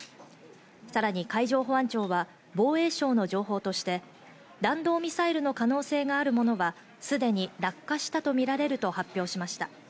さらに海上保安庁は防衛省の情報として、弾道ミサイルの可能性があるものはすでに落下したとみられると発表しました。